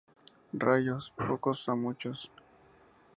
Rayos pocos a muchos.